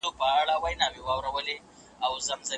ته به خپل دوستان له لاسه ورکړې.